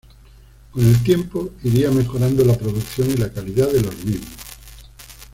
Con el tiempo iría mejorando la producción y la calidad de los mismos.